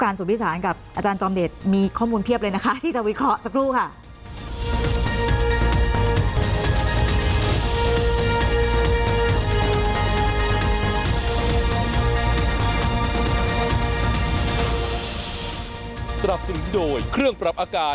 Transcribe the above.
สุพิสารกับอาจารย์จอมเดชมีข้อมูลเพียบเลยนะคะที่จะวิเคราะห์สักครู่ค่ะ